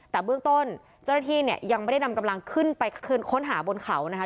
แต่เบื้องต้นเจ้าหน้าที่เนี่ยยังไม่ได้นำกำลังขึ้นไปค้นหาบนเขานะคะ